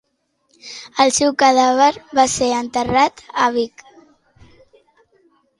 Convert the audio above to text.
El seu cadàver va ser enterrat a Vic.